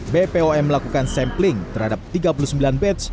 bpom melakukan sampling terhadap tiga puluh sembilan batch